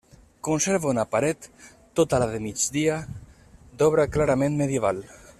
Conserva una paret, tota la de migdia, d'obra clarament medieval.